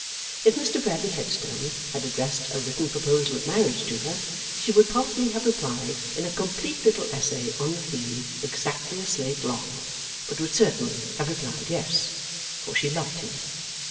If Mr Bradley Headstone had addressed a written proposal of marriage to her, she would probably have replied in a complete little essay on the theme exactly a slate long, but would certainly have replied Yes. For she loved him.